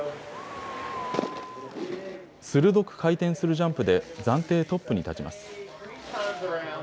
鋭く回転するジャンプで暫定トップに立ちます。